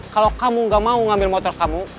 kalau kamu gak mau ngambil motor kamu